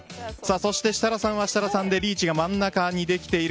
そして、設楽さんは設楽さんでリーチが真ん中にできている。